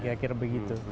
ya kira begitu